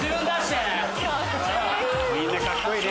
みんなカッコいいね。